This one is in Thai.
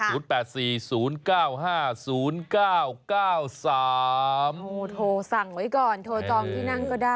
โอ้โหโทรสั่งไว้ก่อนโทรจองที่นั่งก็ได้